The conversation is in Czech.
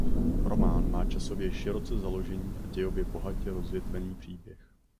Román má časově široce založený a dějově bohatě rozvětvený příběh.